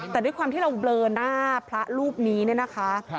แต่ด้วยความที่เราเบลอหน้าพระรูปนี้เนี่ยนะคะ